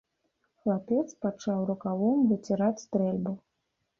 Хлапец пачаў рукавом выціраць стрэльбу.